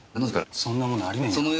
そんなものありませんよ。